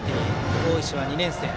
大石は２年生。